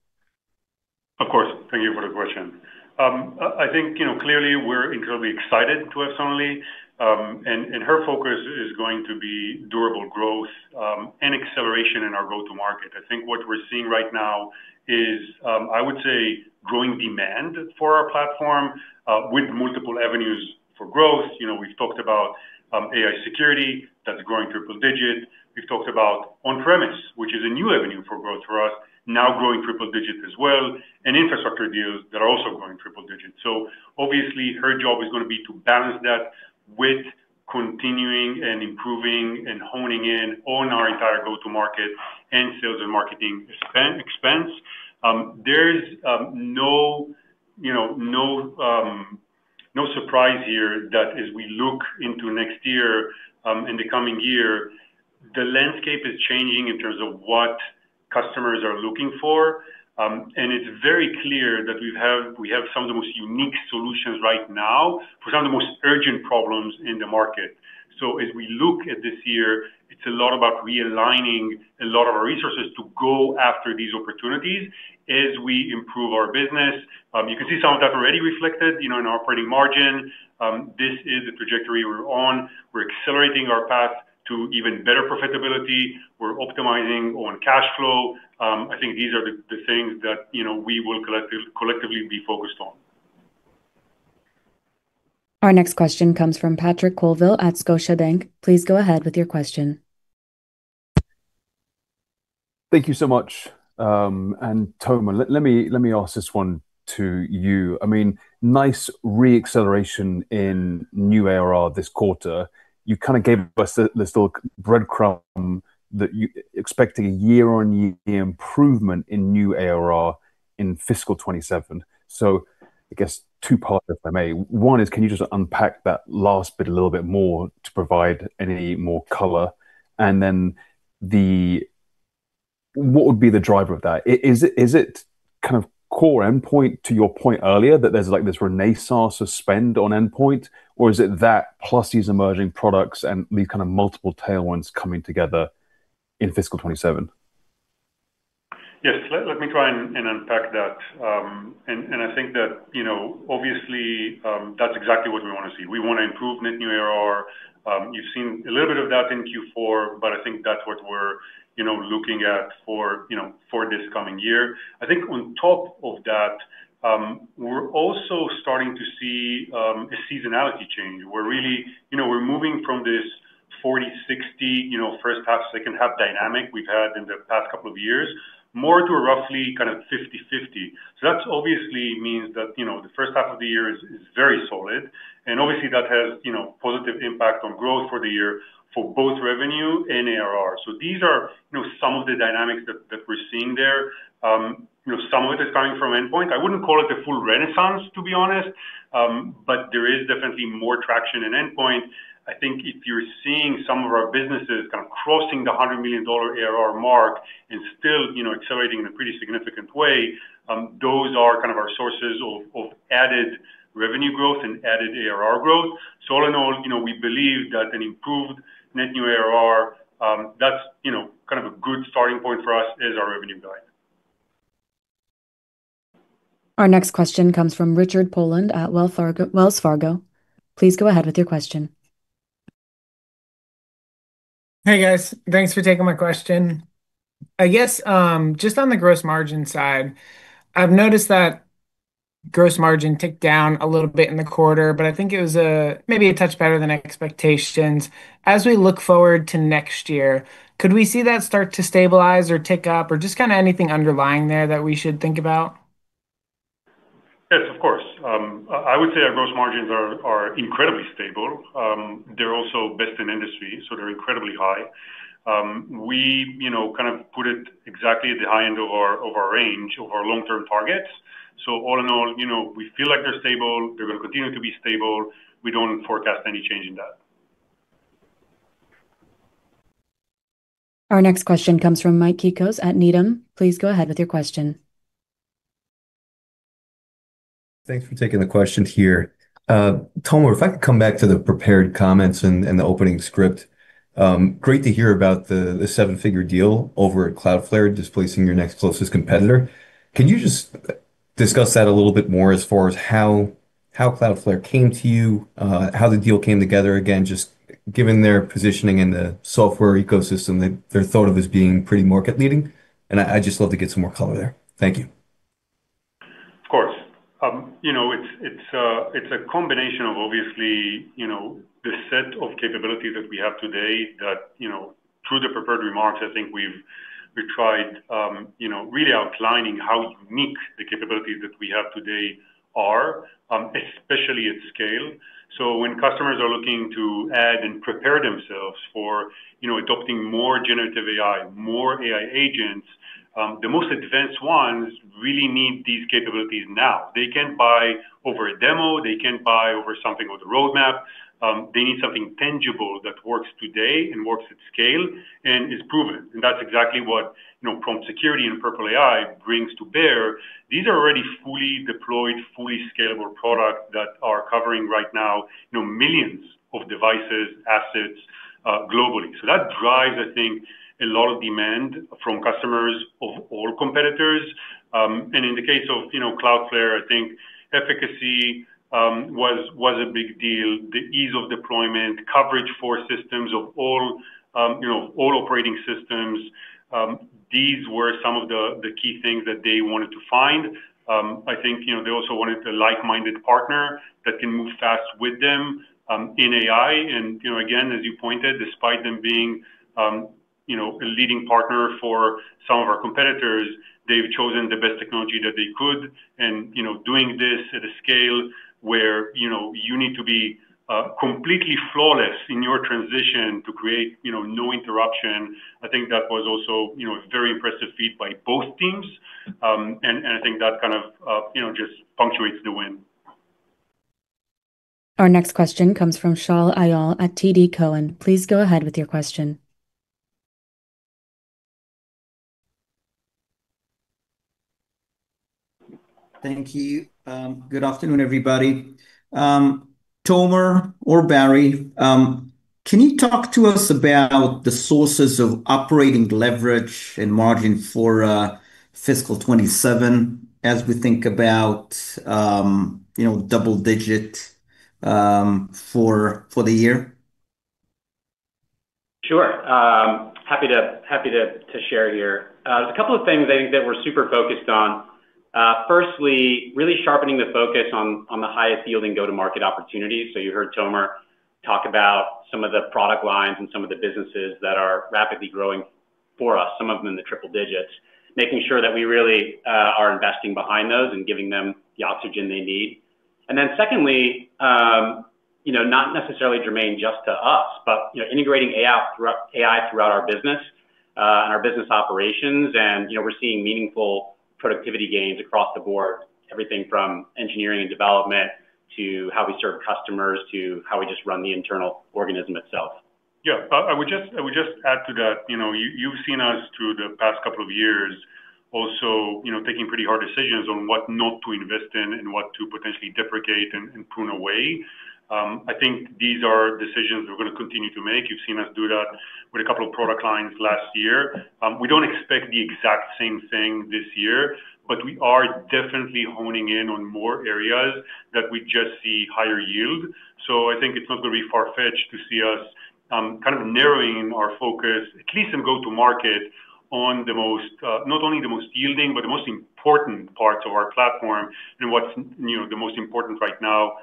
Speaker 3: Of course. Thank you for the question. I think, you know, clearly we're incredibly excited to have Sonali, and her focus is going to be durable growth, and acceleration in our go-to-market. I think what we're seeing right now is, I would say growing demand for our platform, with multiple avenues for growth. You know, we've talked about, AI security, that's growing triple digit. We've talked about on-premise, which is a new avenue for growth for us, now growing triple digit as well, and infrastructure deals that are also growing triple digit. Obviously her job is gonna be to balance that with continuing and improving and honing in on our entire go-to-market and sales and marketing expense. There is no surprise here that as we look into next year, in the coming year, the landscape is changing in terms of what customers are looking for. It's very clear that we have some of the most unique solutions right now for some of the most urgent problems in the market. So as we look at this year, it's a lot about realigning a lot of our resources to go after these opportunities as we improve our business. You can see some of that already reflected, you know, in our operating margin. This is the trajectory we're on. We're accelerating our path to even better profitability. We're optimizing on cash flow. I think these are the things that, you know, we will collectively be focused on.
Speaker 1: Our next question comes from Patrick Colville at Scotiabank. Please go ahead with your question.
Speaker 10: Thank you so much. Tomer, let me ask this one to you. I mean, nice re-acceleration in new ARR this quarter. You kinda gave us this little breadcrumb that you expecting a year-on-year improvement in new ARR in fiscal 2027. So i guess two parts, if I may. One is, can you just unpack that last bit a little bit more to provide any more color? Then what would be the driver of that? Is it kind of core endpoint to your point earlier that there's like this renaissance of spend on endpoint, or is it that plus these emerging products and these kind of multiple tailwinds coming together in fiscal 2027?
Speaker 3: Yes. Let me try and unpack that. I think that, you know, obviously, that's exactly what we wanna see. We wanna improve net new ARR. You've seen a little bit of that in Q4, but I think that's what we're, you know, looking at for, you know, for this coming year. I think on top of that, we're also starting to see a seasonality change. We're really, you know, we're moving from this 40/60, you know, first half, second half dynamic we've had in the past couple of years, more to a roughly kind of 50/50. That obviously means that, you know, the first half of the year is very solid, and obviously that has, you know, positive impact on growth for the year for both revenue and ARR. So these are, you know, some of the dynamics that we're seeing there. You know, some of it is coming from endpoint. I wouldn't call it the full renaissance to be honest, but there is definitely more traction in endpoint. I think if you're seeing some of our businesses kind of crossing the $100 million ARR mark and still, you know, accelerating in a pretty significant way, those are kind of our sources of added revenue growth and added ARR growth. All in all, you know, we believe that an improved net new ARR, that's, you know, kind of a good starting point for us as our revenue guide.
Speaker 1: Our next question comes from Richard Poland at Wells Fargo. Please go ahead with your question.
Speaker 11: Hey, guys. Thanks for taking my question. I guess, just on the gross margin side, I've noticed that gross margin ticked down a little bit in the quarter, but I think it was, maybe a touch better than expectations. As we look forward to next year, could we see that start to stabilize or tick up or just kinda anything underlying there that we should think about?
Speaker 3: Yes, of course. I would say our gross margins are incredibly stable. They're also best in industry, so they're incredibly high. We, you know, kind of put it exactly at the high end of our range, of our long-term targets. All in all, you know, we feel like they're stable. They're gonna continue to be stable. We don't forecast any change in that.
Speaker 1: Our next question comes from Mike Cikos at Needham. Please go ahead with your question.
Speaker 12: Thanks for taking the question here. Tomer, if I could come back to the prepared comments and the opening script. Great to hear about the seven-figure deal over at Cloudflare, displacing your next closest competitor. Can you just discuss that a little bit more as far as how Cloudflare came to you, how the deal came together? Again, just given their positioning in the software ecosystem, they're thought of as being pretty market-leading, and I just love to get some more color there. Thank you.
Speaker 3: Of course. You know, it's a combination of obviously, you know, the set of capabilities that we have today that, you know, through the prepared remarks, I think we've tried, you know, really outlining how unique the capabilities that we have today are, especially at scale. So when customers are looking to add and prepare themselves for, you know, adopting more generative AI, more AI agents, the most advanced ones really need these capabilities now. They can't buy over a demo, they can't buy over something with a roadmap. They need something tangible that works today and works at scale and is proven, and that's exactly what, you know, Prompt Security and Purple AI brings to bear. These are already fully deployed, fully scalable products that are covering right now, you know, millions of devices, assets, globally. That drives, I think, a lot of demand from customers of all competitors. In the case of, you know, Cloudflare, I think efficacy was a big deal. The ease of deployment, coverage for systems of all, you know, all operating systems, these were some of the key things that they wanted to find. I think, you know, they also wanted a like-minded partner that can move fast with them in AI. You know, again, as you pointed, despite them being, you know, a leading partner for some of our competitors, they've chosen the best technology that they could. You know, doing this at a scale where, you know, you need to be completely flawless in your transition to create, you know, no interruption. I think that was also, you know, a very impressive feat by both teams. I think that kind of, you know, just punctuates the win.
Speaker 1: Our next question comes from Shaul Eyal at TD Cowen. Please go ahead with your question.
Speaker 13: Thank you. Good afternoon, everybody. Tomer or Barry, can you talk to us about the sources of operating leverage and margin for fiscal 2027 as we think about, you know, double digit for the year?
Speaker 4: Sure. Happy to share here. There's a couple of things I think that we're super focused on. Firstly, really sharpening the focus on the highest yielding go-to-market opportunities. You heard Tomer talk about some of the product lines and some of the businesses that are rapidly growing for us, some of them in the triple digits, making sure that we really are investing behind those and giving them the oxygen they need. Secondly, you know, not necessarily germane just to us, but, you know, integrating AI throughout our business and our business operations. You know, we're seeing meaningful productivity gains across the board, everything from engineering and development to how we serve customers to how we just run the internal organism itself.
Speaker 3: Yeah. I would just add to that. You know, you've seen us through the past couple of years also, you know, taking pretty hard decisions on what not to invest in and what to potentially deprecate and prune away. I think these are decisions we're gonna continue to make. You've seen us do that with a couple of product lines last year. We don't expect the exact same thing this year, but we are definitely honing in on more areas that we just see higher yield. So i think it's not gonna be far-fetched to see us kind of narrowing our focus, at least in go-to-market, on the most, not only the most yielding, but the most important parts of our platform and what's, you know, the most important right now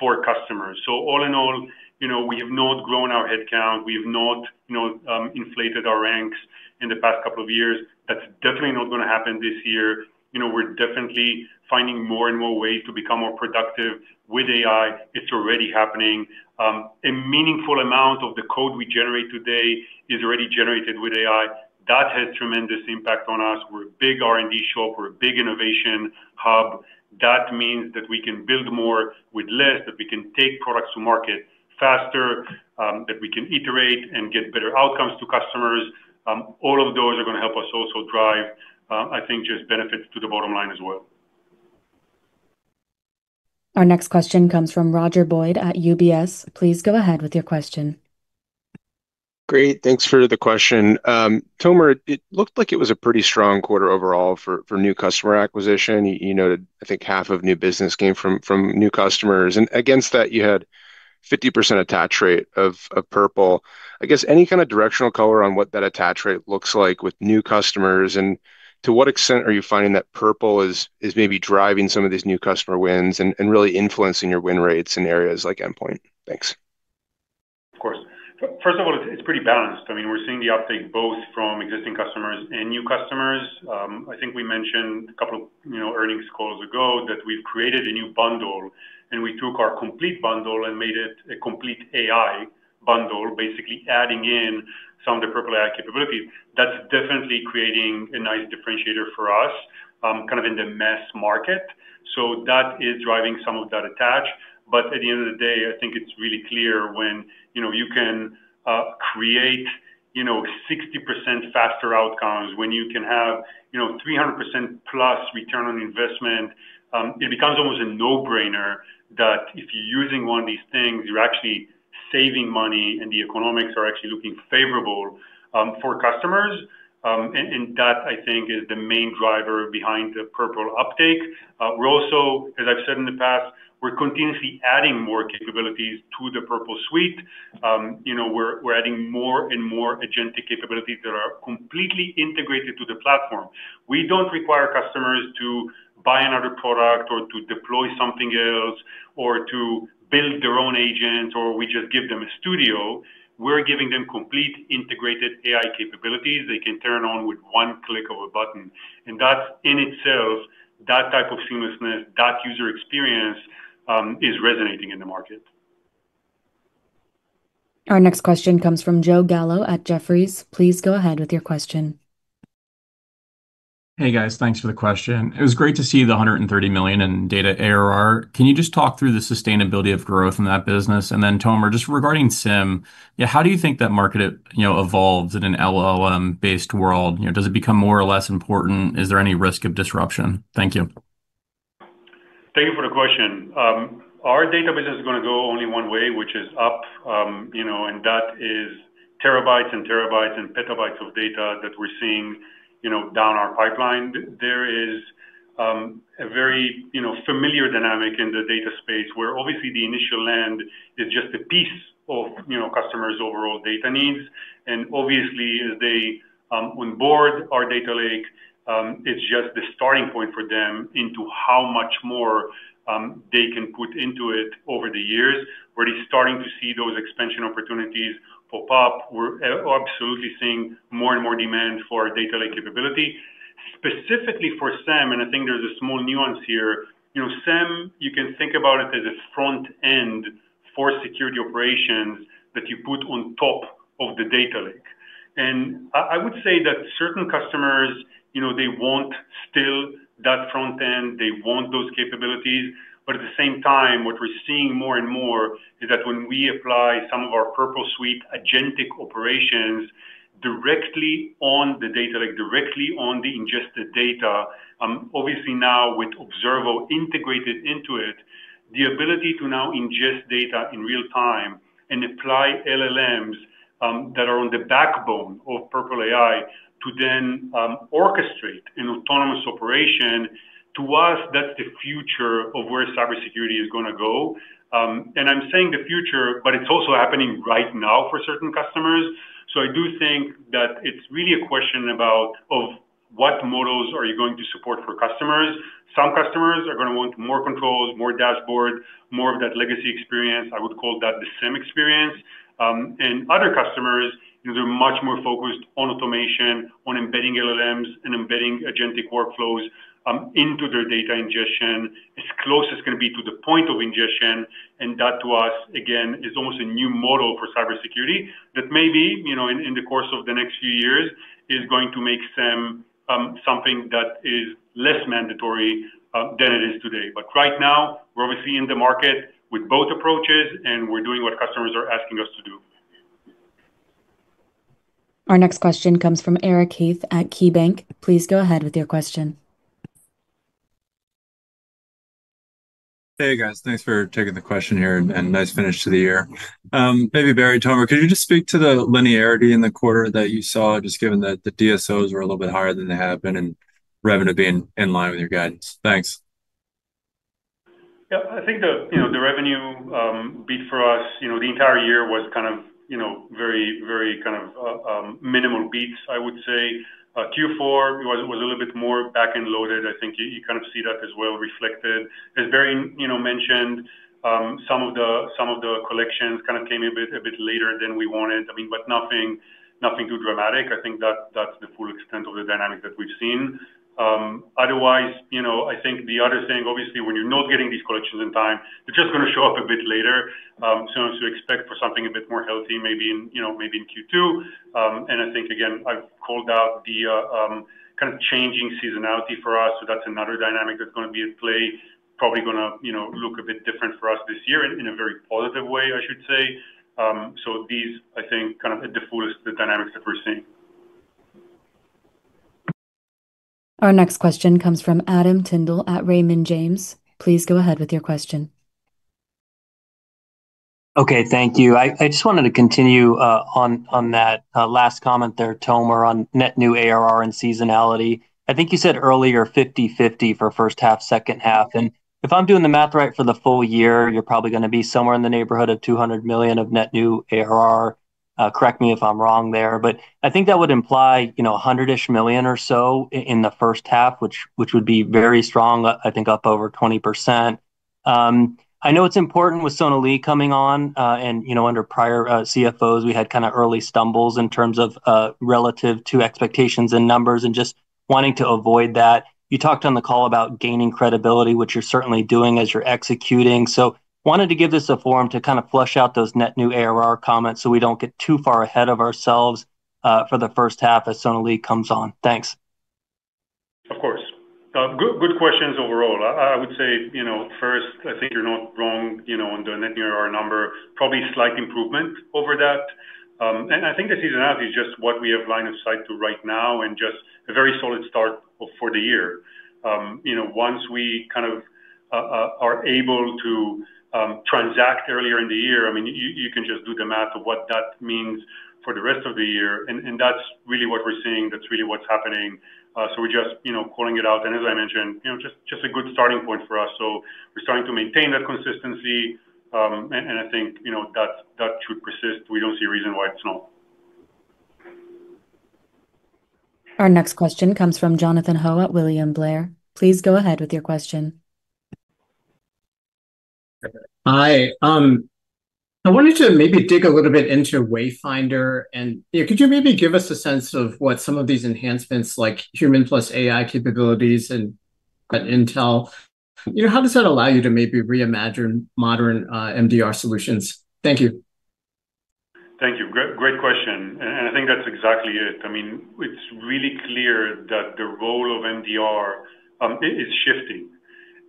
Speaker 3: for customers. So all in all, you know, we have not grown our headcount, we have not, you know, inflated our ranks in the past couple of years. That's definitely not gonna happen this year. You know, we're definitely finding more and more ways to become more productive with AI. It's already happening. A meaningful amount of the code we generate today is already generated with AI. That has tremendous impact on us. We're a big R&D shop. We're a big innovation hub. That means that we can build more with less, that we can take products to market faster, that we can iterate and get better outcomes to customers. All of those are gonna help us also drive, I think just benefits to the bottom line as well.
Speaker 1: Our next question comes from Roger Boyd at UBS. Please go ahead with your question.
Speaker 14: Great. Thanks for the question. Tomer, it looked like it was a pretty strong quarter overall for new customer acquisition. You noted, I think, half of new business came from new customers. Against that, you had 50% attach rate of Purple. I guess any kind of directional color on what that attach rate looks like with new customers, and to what extent are you finding that Purple is maybe driving some of these new customer wins and really influencing your win rates in areas like endpoint? Thanks.
Speaker 3: Of course. First of all, it's pretty balanced. I mean, we're seeing the uptake both from existing customers and new customers. I think we mentioned a couple of, you know, earnings calls ago that we've created a new bundle, and we took our complete bundle and made it a complete AI bundle, basically adding in some of the Purple AI capabilities. That's definitely creating a nice differentiator for us, kind of in the mass market. That is driving some of that attach. At the end of the day, I think it's really clear when, you know, you can create, you know, 60% faster outcomes, when you can have, you know, 300%+ return on investment, it becomes almost a no-brainer that if you're using one of these things, you're actually saving money and the economics are actually looking favorable, for customers. And that, I think, is the main driver behind the Purple uptake. We're also, as I've said in the past, we're continuously adding more capabilities to the Purple suite. You know, we're adding more and more agentic capabilities that are completely integrated to the platform. We don't require customers to buy another product or to deploy something else or to build their own agent, or we just give them a studio. We're giving them complete integrated AI capabilities they can turn on with one click of a button. That in itself, that type of seamlessness, that user experience, is resonating in the market.
Speaker 1: Our next question comes from Joseph Gallo at Jefferies. Please go ahead with your question.
Speaker 15: Hey, guys. Thanks for the question. It was great to see the $130 million in data ARR. Can you just talk through the sustainability of growth in that business? Tomer, just regarding SIEM, how do you think that market, you know, evolves in an LLM-based world? You know, does it become more or less important? Is there any risk of disruption? Thank you.
Speaker 3: Thank you for the question. Our database is gonna go only one way, which is up, you know, and that is TB and TB and petabytes of data that we're seeing, you know, down our pipeline. There is a very, you know, familiar dynamic in the data space where obviously the initial land is just a piece of, you know, customers' overall data needs. And obviously, as they onboard our data lake, it's just the starting point for them into how much more they can put into it over the years. We're already starting to see those expansion opportunities pop up. We're absolutely seeing more and more demand for data lake capability. Specifically for SIEM, and I think there's a small nuance here. You know, SIEM, you can think about it as a front end for security operations that you put on top of the data lake. I would say that certain customers, you know, they want still that front end, they want those capabilities. At the same time, what we're seeing more and more is that when we apply some of our Purple AI agentic operations directly on the data lake, directly on the ingested data, obviously now with Scalyr integrated into it, the ability to now ingest data in real time and apply LLMs, that are on the backbone of Purple AI to then, orchestrate an autonomous operation, to us, that's the future of where cybersecurity is gonna go. I'm saying the future, but it's also happening right now for certain customers. So i do think that it's really a question of what models are you going to support for customers. Some customers are gonna want more controls, more dashboard, more of that legacy experience. I would call that the SIEM experience. And other customers, you know, they're much more focused on automation, on embedding LLMs and embedding agentic workflows into their data ingestion, as close as can be to the point of ingestion. And that to us, again, is almost a new model for cybersecurity that maybe, you know, in the course of the next few years, is going to make SIEM something that is less mandatory than it is today. Right now, we're obviously in the market with both approaches, and we're doing what customers are asking us to do.
Speaker 1: Our next question comes from Eric Heath at KeyBanc. Please go ahead with your question.
Speaker 16: Hey, guys. Thanks for taking the question here, and nice finish to the year. Maybe Barry, Tomer, could you just speak to the linearity in the quarter that you saw, just given that the DSOs were a little bit higher than they have been and revenue being in line with your guidance? Thanks.
Speaker 3: Yeah. I think the, you know, the revenue beat for us, you know, the entire year was kind of, you know, very kind of minimal beats, I would say. Q4 was a little bit more back-end loaded. I think you kind of see that as well reflected. As Barry, you know, mentioned, some of the collections kind of came a bit later than we wanted. I mean, but nothing too dramatic. I think that's the full extent of the dynamic that we've seen. Otherwise, you know, I think the other thing, obviously, when you're not getting these collections in time, they're just gonna show up a bit later. As you expect for something a bit more healthy, maybe in, you know, maybe in Q2. And i think, again, I've called out the kind of changing seasonality for us. That's another dynamic that's gonna be at play, probably gonna, you know, look a bit different for us this year in a very positive way, I should say. These, I think, kind of at the fullest, the dynamics that we're seeing.
Speaker 1: Our next question comes from Adam Tindle at Raymond James. Please go ahead with your question.
Speaker 17: Okay. Thank you. I just wanted to continue on that last comment there, Tomer, on net new ARR and seasonality. I think you said earlier, 50/50 for first half, second half. If I'm doing the math right for the full year, you're probably gonna be somewhere in the neighborhood of $200 million of net new ARR. Correct me if I'm wrong there. I think that would imply, you know, $100-ish million or so in the first half, which would be very strong, I think up over 20%. I know it's important with Sonali coming on, and, you know, under prior CFOs, we had kinda early stumbles in terms of relative to expectations and numbers and just wanting to avoid that. You talked on the call about gaining credibility, which you're certainly doing as you're executing. Wanted to give this a forum to kind of flush out those net new ARR comments so we don't get too far ahead of ourselves. For the first half as Sonali comes on. Thanks.
Speaker 3: Of course. Good questions overall. I would say, you know, first I think you're not wrong, you know, on the net new ARR number, probably slight improvement over that. I think the second half is just what we have line of sight to right now and just a very solid start for the year. You know, once we kind of are able to transact earlier in the year, I mean, you can just do the math of what that means for the rest of the year, and that's really what we're seeing, that's really what's happening. We're just, you know, calling it out. As I mentioned, you know, just a good starting point for us. So we're starting to maintain that consistency, and I think, you know, that should persist. We don't see a reason why it's not.
Speaker 1: Our next question comes from Jonathan Ho at William Blair. Please go ahead with your question.
Speaker 18: Hi. I wanted to maybe dig a little bit into Wayfinder and, you know, could you maybe give us a sense of what some of these enhancements, like human plus AI capabilities and intel, you know, how does that allow you to maybe reimagine modern, MDR solutions? Thank you.
Speaker 3: Thank you. Great question, I think that's exactly it. I mean, it's really clear that the role of MDR is shifting.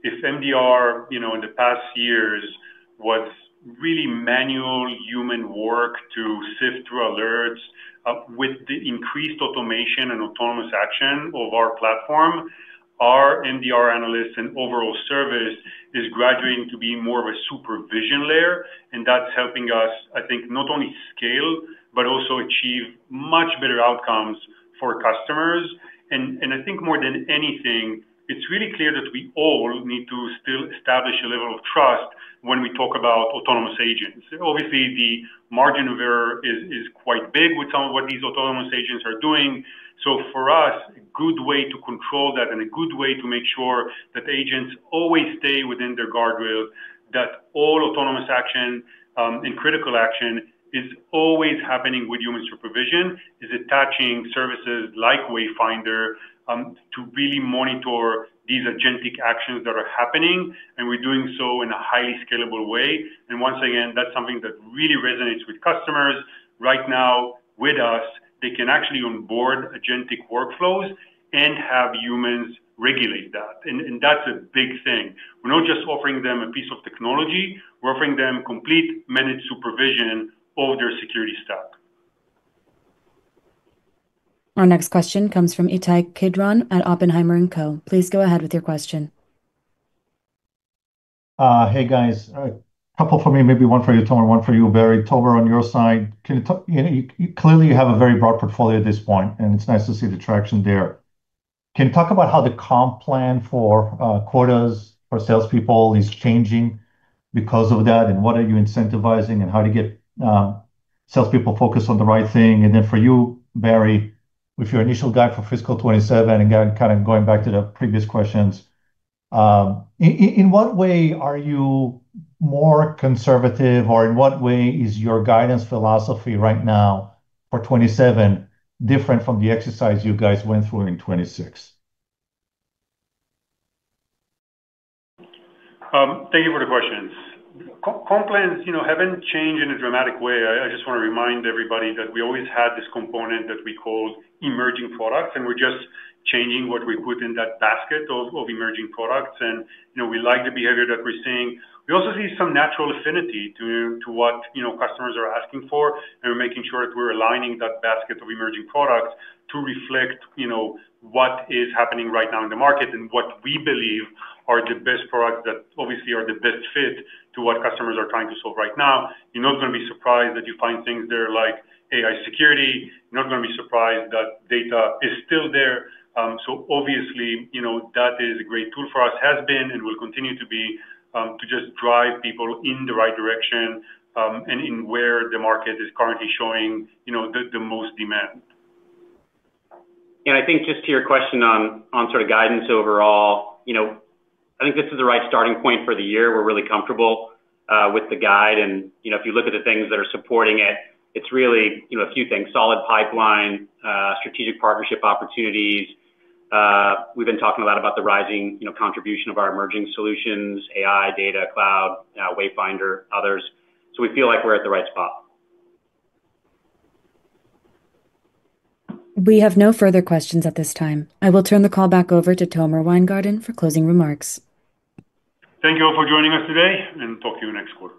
Speaker 3: If MDR, you know, in the past years, was really manual human work to sift through alerts, with the increased automation and autonomous action of our platform, our MDR analysts and overall service is graduating to be more of a supervision layer, and that's helping us, I think, not only scale, but also achieve much better outcomes for customers. I think more than anything, it's really clear that we all need to still establish a level of trust when we talk about autonomous agents. Obviously, the margin of error is quite big with some of what these autonomous agents are doing. For us, a good way to control that and a good way to make sure that agents always stay within their guardrail, that all autonomous action and critical action is always happening with human supervision, is attaching services like Wayfinder to really monitor these agentic actions that are happening, and we're doing so in a highly scalable way. Once again, that's something that really resonates with customers. Right now, with us, they can actually onboard agentic workflows and have humans regulate that. That's a big thing. We're not just offering them a piece of technology, we're offering them complete managed supervision of their security stack.
Speaker 1: Our next question comes from Ittai Kidron at Oppenheimer & Co. Please go ahead with your question.
Speaker 19: Hey, guys. Couple for me, maybe one for you, Tomer, one for you, Barry. Tomer, on your side, can you talk. You know, you clearly have a very broad portfolio at this point, and it's nice to see the traction there. Can you talk about how the comp plan for quotas for salespeople is changing because of that, and what are you incentivizing and how to get salespeople focused on the right thing? And then for you, Barry, with your initial guide for fiscal 2027, and again, kind of going back to the previous questions, in what way are you more conservative, or in what way is your guidance philosophy right now for 2027 different from the exercise you guys went through in 2026?
Speaker 3: Thank you for the questions. Comp plans, you know, haven't changed in a dramatic way. I just want to remind everybody that we always had this component that we called emerging products, and we're just changing what we put in that basket of emerging products. You know, we like the behavior that we're seeing. We also see some natural affinity to what, you know, customers are asking for, and we're making sure that we're aligning that basket of emerging products to reflect, you know, what is happening right now in the market and what we believe are the best products that obviously are the best fit to what customers are trying to solve right now. You're not gonna be surprised that you find things there like AI security. You're not gonna be surprised that data is still there. Obviously, you know, that is a great tool for us, has been and will continue to be to just drive people in the right direction, and in where the market is currently showing, you know, the most demand.
Speaker 4: I think just to your question on sort of guidance overall, you know, I think this is the right starting point for the year. We're really comfortable with the guide and, you know, if you look at the things that are supporting it's really a few things, solid pipeline, strategic partnership opportunities. We've been talking a lot about the rising, you know, contribution of our emerging solutions, AI, data, cloud, Wayfinder, others. We feel like we're at the right spot.
Speaker 1: We have no further questions at this time. I will turn the call back over to Tomer Weingarten for closing remarks.
Speaker 3: Thank you all for joining us today, and talk to you next quarter.